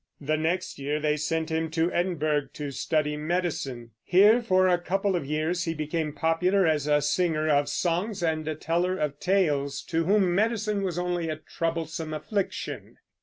The next year they sent him to Edinburgh to study medicine. Here for a couple of years he became popular as a singer of songs and a teller of tales, to whom medicine was only a troublesome affliction.